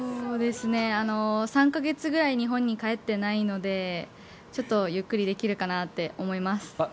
３か月ぐらい日本に帰ってないのでちょっとゆっくりできるかなって思います。